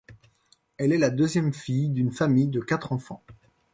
Elle est la deuxième fille d'une famille de quatre enfants.